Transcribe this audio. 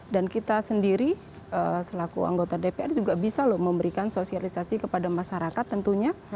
dan kita sendiri selaku anggota dpr juga bisa lho memberikan sosialisasi kepada masyarakat tentunya